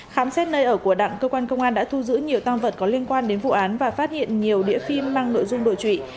khám xét nơi ở của đặng cơ quan công an đã thu giữ nhiều tam vật có liên quan đến vụ án và phát hiện nhiều đĩa phim mang nội dung đổi trụy